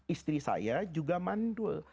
istri saya juga mandul